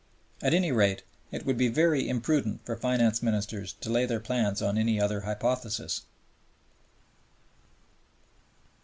At any rate, it would be very imprudent for Finance Ministers to lay their plans on any other hypothesis.